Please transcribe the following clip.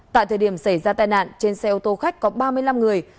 tại thời điểm xảy ra tai nạn trên xe ô tô khách có ba mươi năm người